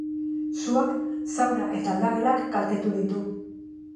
Suak sauna eta aldagelak kaltetu ditu.